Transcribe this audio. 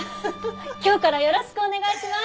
今日からよろしくお願いします！